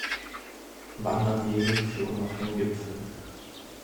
Wanderwege führen auf den Gipfel.